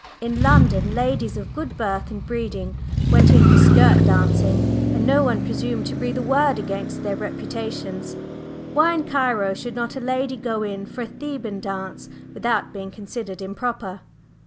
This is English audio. In London, ladies of good birth and breeding went in for 'skirt dancing,' and no one presumed to breathe a word against their reputations; why in Cairo should not a lady go in for a Theban dance without being considered improper?"